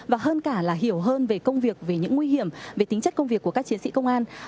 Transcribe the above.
và hơn cả là hiểu hơn về công việc về những nguy hiểm về tính chất công việc của các chiến sĩ công an